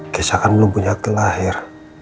kecakan belum punya akte lahir